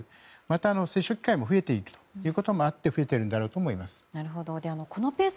また、接触機会が増えているということもあって増えているんだろうと思います。